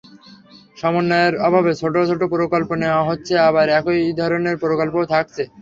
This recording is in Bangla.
সমন্বয়ের অভাবে ছোট ছোট প্রকল্প নেওয়া হচ্ছে, আবার একই ধরনের প্রকল্পও থাকছে।